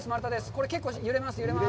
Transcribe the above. これ、結構、揺れます。